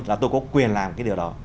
là tôi có quyền làm cái điều đó